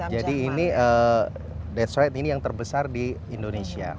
jadi ini yang terbesar di indonesia